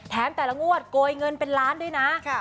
แต่ละงวดโกยเงินเป็นล้านด้วยนะ